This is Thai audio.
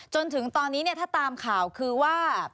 จนถึงตอนนี้ถ้าตามข่าวคือว่า